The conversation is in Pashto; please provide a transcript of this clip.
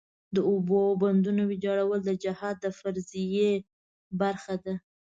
د اوبو بندونو ویجاړول د جهاد فریضې برخه ده.